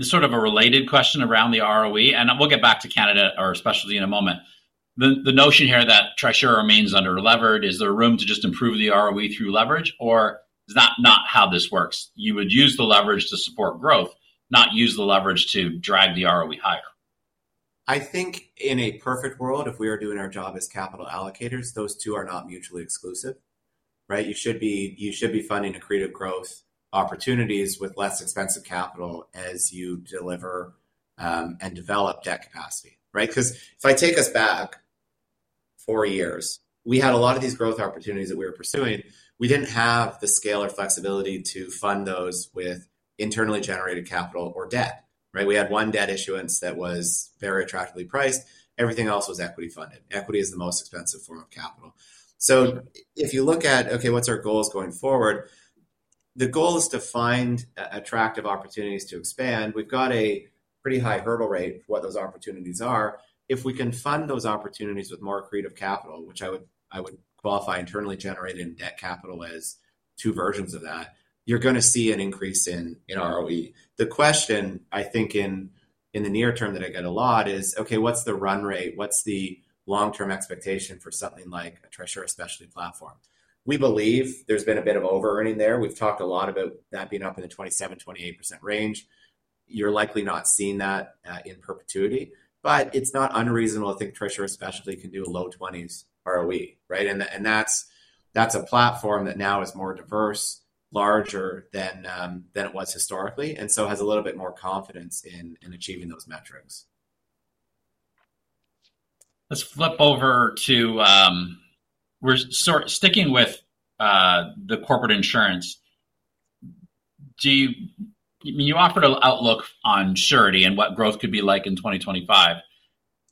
Sort of a related question around the ROE, and we'll get back to Canada or specialty in a moment. The notion here that Trisura remains underleveraged, is there room to just improve the ROE through leverage, or is that not how this works? You would use the leverage to support growth, not use the leverage to drag the ROE higher. I think in a perfect world, if we are doing our job as capital allocators, those two are not mutually exclusive. You should be funding accretive growth opportunities with less expensive capital as you deliver and develop debt capacity. Because if I take us back four years, we had a lot of these growth opportunities that we were pursuing. We did not have the scale or flexibility to fund those with internally generated capital or debt. We had one debt issuance that was very attractively priced. Everything else was equity funded. Equity is the most expensive form of capital. If you look at, okay, what is our goals going forward? The goal is to find attractive opportunities to expand. We have got a pretty high hurdle rate for what those opportunities are. If we can fund those opportunities with more accretive capital, which I would qualify internally generated and debt capital as two versions of that, you're going to see an increase in ROE. The question, I think in the near term that I get a lot is, okay, what's the run rate? What's the long-term expectation for something like a Trisura specialty platform? We believe there's been a bit of over-earning there. We've talked a lot about that being up in the 27%-28% range. You're likely not seeing that in perpetuity. It is not unreasonable to think Trisura specialty can do a low 20s ROE. That is a platform that now is more diverse, larger than it was historically, and so has a little bit more confidence in achieving those metrics. Let's flip over to sticking with the corporate insurance. You offered an outlook on surety and what growth could be like in 2025.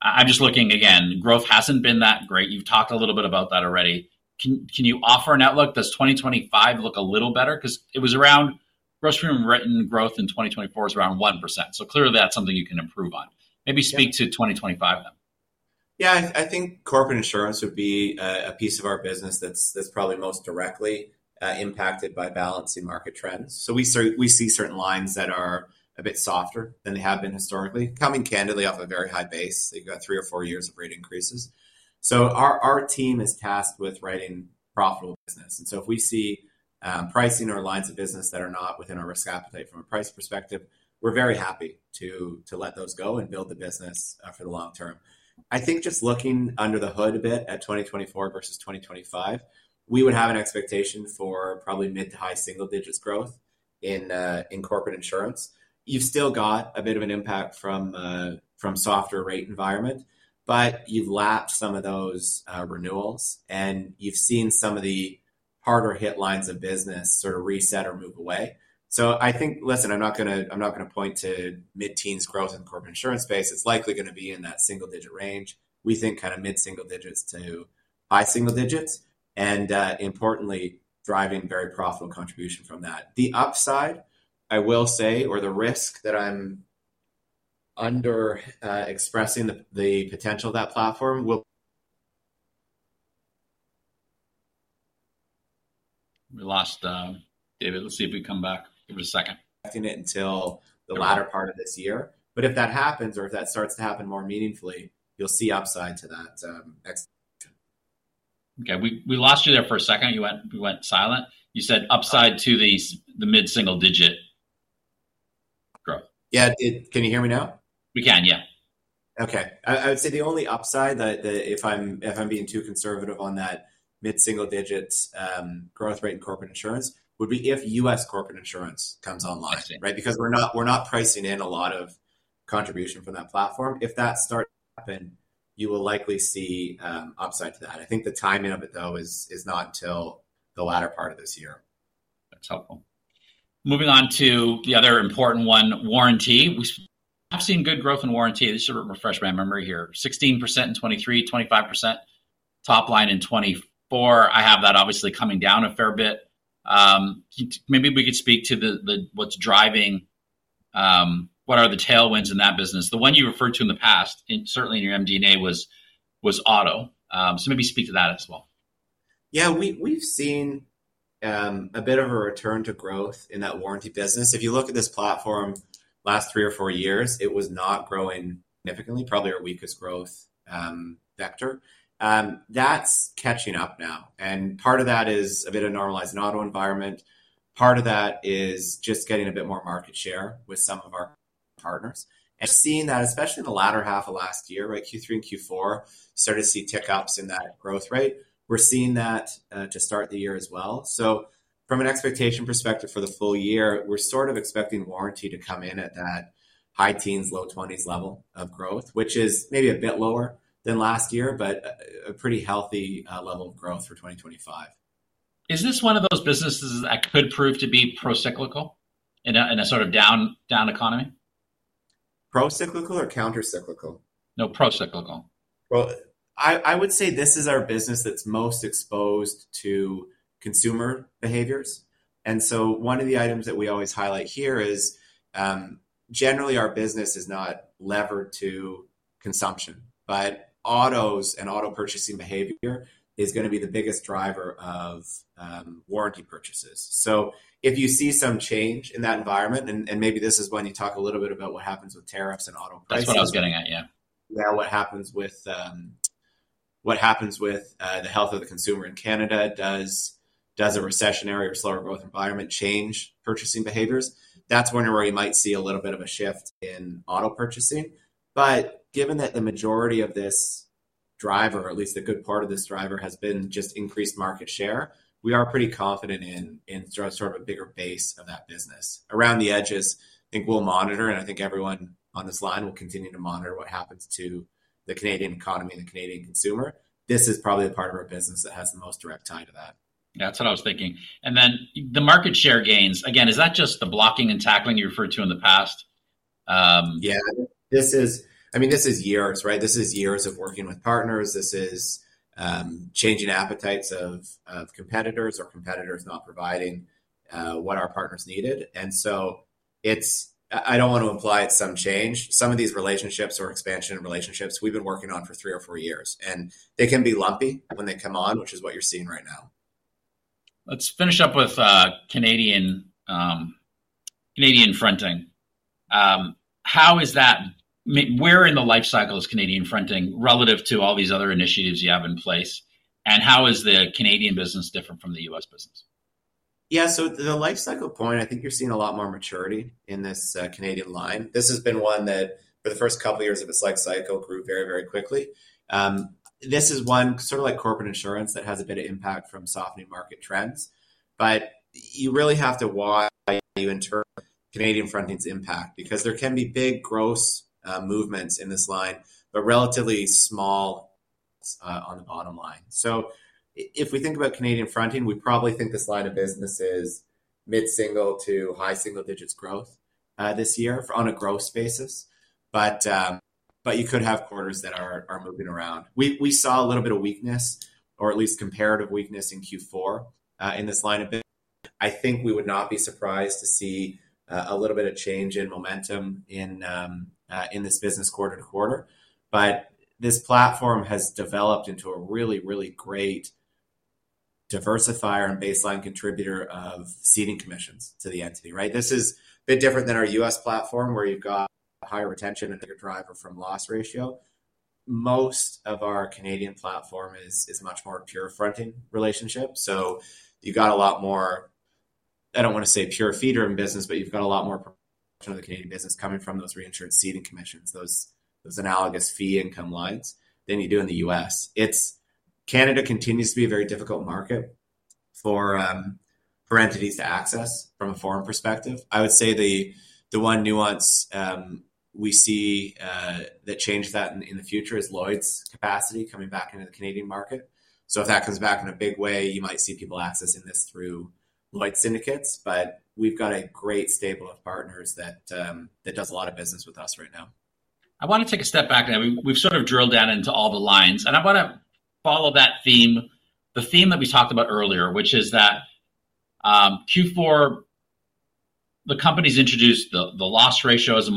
I'm just looking again. Growth hasn't been that great. You've talked a little bit about that already. Can you offer an outlook? Does 2025 look a little better? Because it was around gross written growth in 2024 is around 1%. So clearly that's something you can improve on. Maybe speak to 2025 then. Yeah, I think corporate insurance would be a piece of our business that's probably most directly impacted by balancing market trends. We see certain lines that are a bit softer than they have been historically, coming candidly off a very high base. They've got three or four years of rate increases. Our team is tasked with writing profitable business. If we see pricing or lines of business that are not within our risk appetite from a price perspective, we're very happy to let those go and build the business for the long term. I think just looking under the hood a bit at 2024 versus 2025, we would have an expectation for probably mid to high single digits growth in corporate insurance. You've still got a bit of an impact from a softer rate environment, but you've lapped some of those renewals, and you've seen some of the harder hit lines of business sort of reset or move away. I think, listen, I'm not going to point to mid-teens growth in the corporate insurance space. It's likely going to be in that single digit range. We think kind of mid-single digits to high single digits, and importantly, driving very profitable contribution from that. The upside, I will say, or the risk that I'm under expressing the potential of that platform will. We lost David. Let's see if he comes back. Give us a second. It until the latter part of this year. If that happens or if that starts to happen more meaningfully, you'll see upside to that. Okay. We lost you there for a second. You went silent. You said upside to the mid-single digit growth. Yeah. Can you hear me now? We can, yeah. Okay. I would say the only upside that if I'm being too conservative on that mid-single digits growth rate in corporate insurance would be if U.S. corporate insurance comes online, because we're not pricing in a lot of contribution from that platform. If that starts to happen, you will likely see upside to that. I think the timing of it, though, is not until the latter part of this year. That's helpful. Moving on to the other important one, warranty. We have seen good growth in warranty. This is a refresh of my memory here. 16% in 2023, 25% top line in 2024. I have that obviously coming down a fair bit. Maybe we could speak to what's driving, what are the tailwinds in that business. The one you referred to in the past, certainly in your MD&A, was auto. Maybe speak to that as well. Yeah. We've seen a bit of a return to growth in that warranty business. If you look at this platform last three or four years, it was not growing significantly, probably our weakest growth vector. That's catching up now. Part of that is a bit of normalized auto environment. Part of that is just getting a bit more market share with some of our partners. Seeing that, especially in the latter half of last year, Q3 and Q4, started to see tick ups in that growth rate. We're seeing that to start the year as well. From an expectation perspective for the full year, we're sort of expecting warranty to come in at that high teens-low 20s level of growth, which is maybe a bit lower than last year, but a pretty healthy level of growth for 2025. Is this one of those businesses that could prove to be procyclical in a sort of down economy? Procyclical or countercyclical? No, procyclical. I would say this is our business that's most exposed to consumer behaviors. One of the items that we always highlight here is generally our business is not levered to consumption, but autos and auto purchasing behavior is going to be the biggest driver of warranty purchases. If you see some change in that environment, and maybe this is when you talk a little bit about what happens with tariffs and auto pricing. That's what I was getting at, yeah. Yeah, what happens with the health of the consumer in Canada? Does a recessionary or slower growth environment change purchasing behaviors? That is when you might see a little bit of a shift in auto purchasing. Given that the majority of this driver, or at least a good part of this driver, has been just increased market share, we are pretty confident in sort of a bigger base of that business. Around the edges, I think we will monitor, and I think everyone on this line will continue to monitor what happens to the Canadian economy and the Canadian consumer. This is probably a part of our business that has the most direct tie to that. That's what I was thinking. The market share gains, again, is that just the blocking and tackling you referred to in the past? Yeah. I mean, this is years, right? This is years of working with partners. This is changing appetites of competitors or competitors not providing what our partners needed. I do not want to imply it's some change. Some of these relationships or expansion relationships we've been working on for three or four years. They can be lumpy when they come on, which is what you're seeing right now. Let's finish up with Canadian fronting. How is that? Where in the life cycle is Canadian fronting relative to all these other initiatives you have in place? How is the Canadian business different from the U.S. business? Yeah. The life cycle point, I think you're seeing a lot more maturity in this Canadian line. This has been one that for the first couple of years of its life cycle grew very, very quickly. This is one sort of like corporate insurance that has a bit of impact from softening market trends. You really have to watch how you interpret Canadian fronting's impact because there can be big gross movements in this line, but relatively small on the bottom line. If we think about Canadian fronting, we probably think this line of business is mid-single to high single digits growth this year on a gross basis. You could have quarters that are moving around. We saw a little bit of weakness, or at least comparative weakness in Q4 in this line of business. I think we would not be surprised to see a little bit of change in momentum in this business quarter to quarter. This platform has developed into a really, really great diversifier and baseline contributor of ceding commissions to the entity. This is a bit different than our U.S. platform where you've got higher retention and a bigger driver from loss ratio. Most of our Canadian platform is much more pure fronting relationship. You have a lot more, I do not want to say pure feeder in business, but you have a lot more of the Canadian business coming from those reinsured ceding commissions, those analogous fee income lines than you do in the U.S. Canada continues to be a very difficult market for entities to access from a foreign perspective. I would say the one nuance we see that changed that in the future is Lloyd's capacity coming back into the Canadian market. If that comes back in a big way, you might see people accessing this through Lloyd's syndicates. We have a great stable of partners that does a lot of business with us right now. I want to take a step back now. We've sort of drilled down into all the lines. I want to follow that theme, the theme that we talked about earlier, which is that Q4, the company's introduced the loss ratio as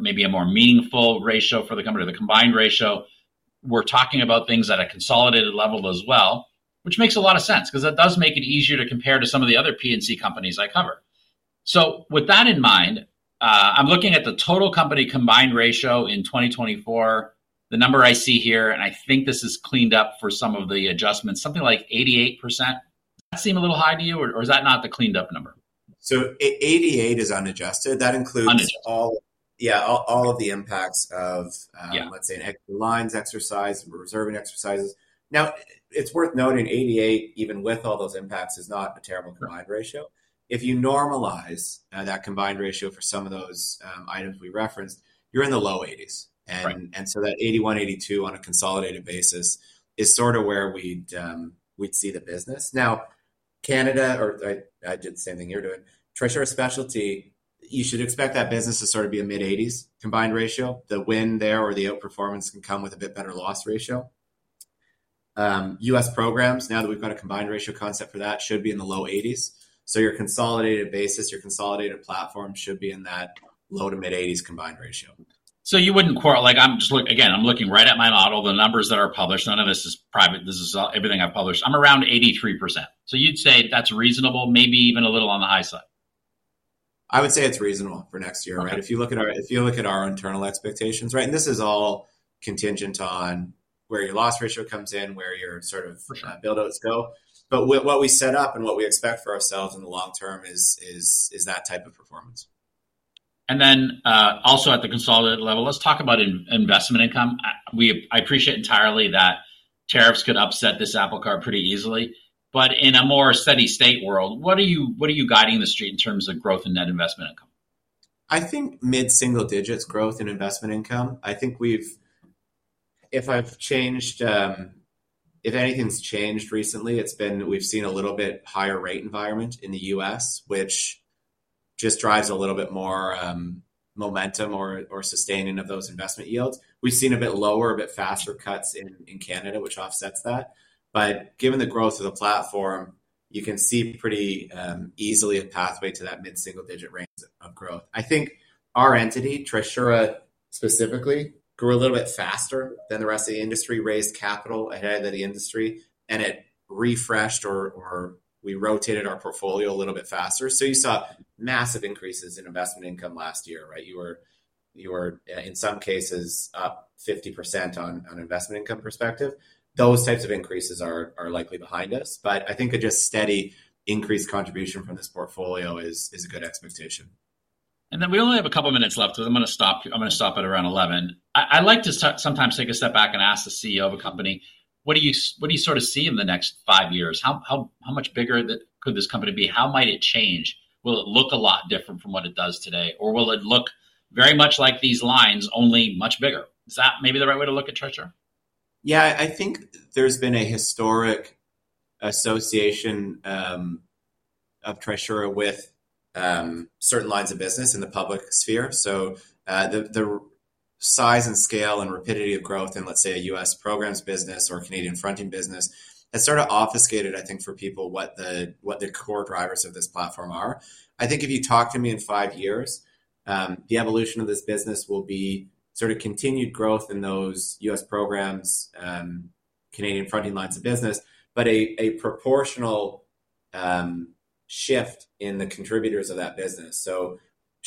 maybe a more meaningful ratio for the company, the combined ratio. We're talking about things at a consolidated level as well, which makes a lot of sense because that does make it easier to compare to some of the other P&C companies I cover. With that in mind, I'm looking at the total company combined ratio in 2024, the number I see here, and I think this is cleaned up for some of the adjustments, something like 88%. Does that seem a little high to you, or is that not the cleaned up number? Eighty-eight is unadjusted. That includes all of the impacts of, let's say, lines exercise, reserving exercises. Now, it's worth noting eighty-eight, even with all those impacts, is not a terrible combined ratio. If you normalize that combined ratio for some of those items we referenced, you're in the low 80s. That eighty-one, eighty-two on a consolidated basis is sort of where we'd see the business. Now, Canada, or I did the same thing you're doing, Trisura Specialty, you should expect that business to sort of be a mid-80s combined ratio. The win there or the outperformance can come with a bit better loss ratio. U.S. programs, now that we've got a combined ratio concept for that, should be in the low 80s. Your consolidated basis, your consolidated platform should be in that low to mid-80s combined ratio. You would not quarterly again, I'm looking right at my model, the numbers that are published. None of this is private. This is everything I've published. I'm around 83%. You'd say that's reasonable, maybe even a little on the high side. I would say it's reasonable for next year. If you look at our internal expectations, right, and this is all contingent on where your loss ratio comes in, where your sort of buildouts go. What we set up and what we expect for ourselves in the long term is that type of performance. At the consolidated level, let's talk about investment income. I appreciate entirely that tariffs could upset this apple cart pretty easily. In a more steady state world, what are you guiding the street in terms of growth and net investment income? I think mid-single digits growth in investment income. I think if anything's changed recently, it's been we've seen a little bit higher rate environment in the U.S., which just drives a little bit more momentum or sustaining of those investment yields. We've seen a bit lower, a bit faster cuts in Canada, which offsets that. Given the growth of the platform, you can see pretty easily a pathway to that mid-single digit range of growth. I think our entity, Trisura specifically, grew a little bit faster than the rest of the industry, raised capital ahead of the industry, and it refreshed or we rotated our portfolio a little bit faster. You saw massive increases in investment income last year. You were, in some cases, up 50% on investment income perspective. Those types of increases are likely behind us. I think a just steady increased contribution from this portfolio is a good expectation. We only have a couple of minutes left, because I'm going to stop at around 11. I like to sometimes take a step back and ask the CEO of a company, what do you sort of see in the next five years? How much bigger could this company be? How might it change? Will it look a lot different from what it does today? Or will it look very much like these lines, only much bigger? Is that maybe the right way to look at Trisura? Yeah. I think there's been a historic association of Trisura with certain lines of business in the public sphere. The size and scale and rapidity of growth in, let's say, a U.S. programs business or a Canadian fronting business, that sort of obfuscated, I think, for people what the core drivers of this platform are. I think if you talk to me in five years, the evolution of this business will be sort of continued growth in those U.S. programs, Canadian fronting lines of business, but a proportional shift in the contributors of that business.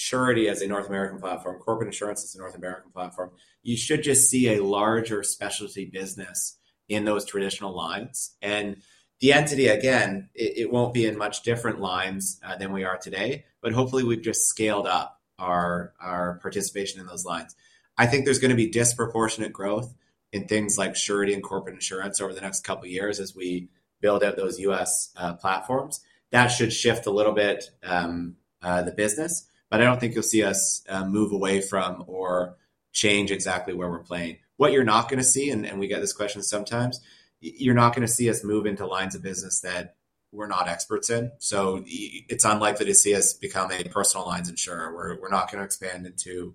Surety as a North American platform, corporate insurance as a North American platform, you should just see a larger specialty business in those traditional lines. The entity, again, it won't be in much different lines than we are today, but hopefully we've just scaled up our participation in those lines. I think there's going to be disproportionate growth in things like surety and corporate insurance over the next couple of years as we build out those U.S. platforms. That should shift a little bit the business, but I don't think you'll see us move away from or change exactly where we're playing. What you're not going to see, and we get this question sometimes, you're not going to see us move into lines of business that we're not experts in. So it's unlikely to see us become a personal lines insurer. We're not going to expand into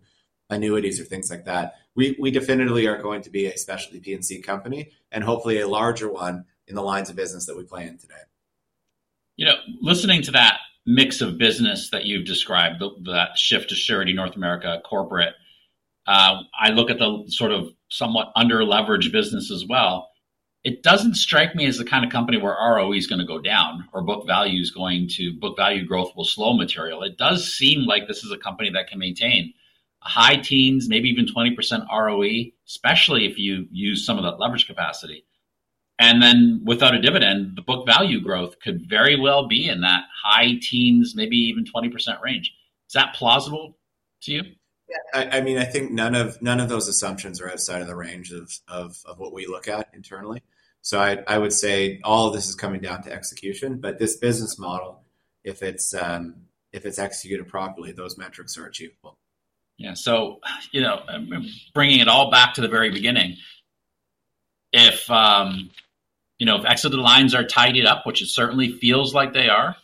annuities or things like that. We definitively are going to be a specialty P&C company and hopefully a larger one in the lines of business that we play in today. Listening to that mix of business that you've described, that shift to surety North America corporate, I look at the sort of somewhat underleveraged business as well. It doesn't strike me as the kind of company where ROE is going to go down or book value growth will slow materially. It does seem like this is a company that can maintain high teens, maybe even 20% ROE, especially if you use some of that leverage capacity. Without a dividend, the book value growth could very well be in that high teens, maybe even 20% range. Is that plausible to you? Yeah. I mean, I think none of those assumptions are outside of the range of what we look at internally. I would say all of this is coming down to execution, but this business model, if it's executed properly, those metrics are achievable. Yeah. Bringing it all back to the very beginning, if exit lines are tidied up, which it certainly feels like they are,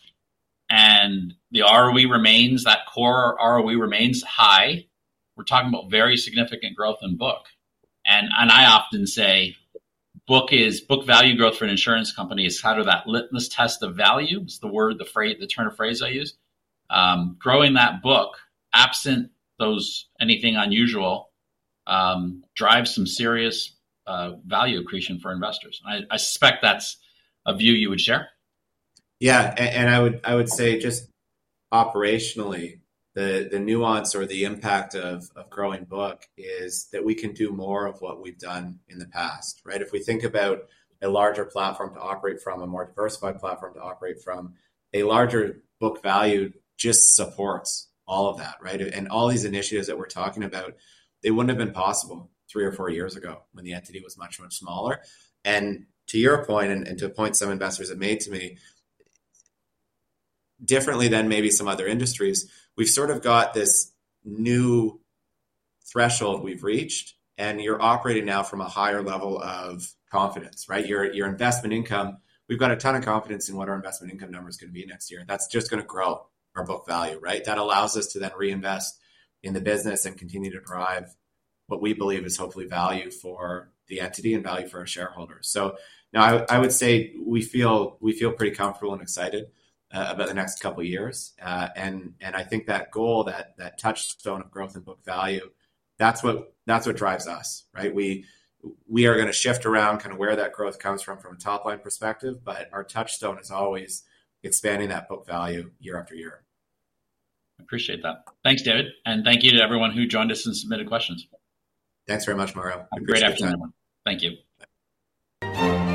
and the ROE remains, that core ROE remains high, we're talking about very significant growth in book. I often say book value growth for an insurance company is kind of that litmus test of value. It's the word, the term, the phrase I use. Growing that book, absent anything unusual, drives some serious value accretion for investors. I suspect that's a view you would share. Yeah. I would say just operationally, the nuance or the impact of growing book is that we can do more of what we've done in the past. If we think about a larger platform to operate from, a more diversified platform to operate from, a larger book value just supports all of that. All these initiatives that we're talking about, they wouldn't have been possible three or four years ago when the entity was much, much smaller. To your point, and to the point some investors have made to me, differently than maybe some other industries, we've sort of got this new threshold we've reached, and you're operating now from a higher level of confidence. Your investment income, we've got a ton of confidence in what our investment income number is going to be next year. That's just going to grow our book value. That allows us to then reinvest in the business and continue to drive what we believe is hopefully value for the entity and value for our shareholders. I would say we feel pretty comfortable and excited about the next couple of years. I think that goal, that touchstone of growth and book value, that's what drives us. We are going to shift around kind of where that growth comes from from a top line perspective, but our touchstone is always expanding that book value year after year. I appreciate that. Thanks, David. Thank you to everyone who joined us and submitted questions. Thanks very much, Mario. Great afternoon. Thank you.